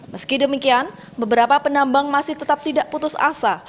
meski demikian beberapa penambang masih tetap tidak putus asa